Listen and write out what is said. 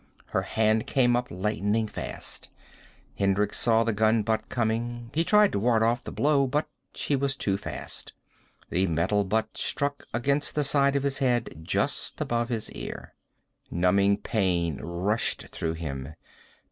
Her hand came up, lightning fast. Hendricks saw the gun butt coming. He tried to ward off the blow, but she was too fast. The metal butt struck against the side of his head, just above his ear. Numbing pain rushed through him.